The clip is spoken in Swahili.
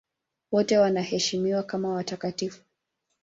Wote wanaheshimiwa kama watakatifu.